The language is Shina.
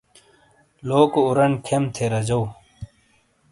لوکو اورنڈ کھیم تھے راجو۔